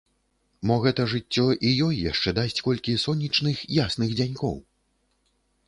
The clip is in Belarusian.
Мо гэта жыццё і ёй яшчэ дасць колькі сонечных, ясных дзянькоў?